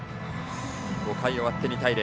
５回終わって２対０。